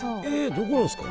どこなんですか？